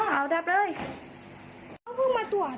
เอาแล้ว